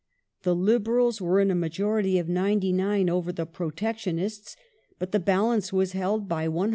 The Liberals were in a majority of 99 over the Protectionists, but the balance was held by 105 Peelites.